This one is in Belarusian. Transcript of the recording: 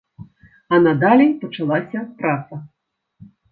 А надалей пачалася праца.